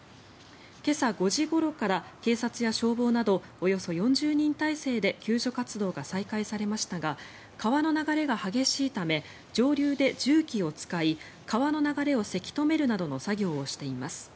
今朝５時ごろから警察や消防などおよそ４０人態勢で救助活動が再開されましたが川の流れが激しいため上流で重機を使い川の流れをせき止めるなどの作業をしています。